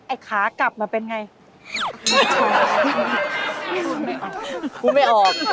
ไอ้ขากลับมาเป็นยังไง